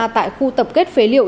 tại khu tập kết phế liệu